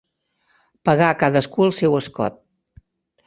Pagar cadascú el seu escot.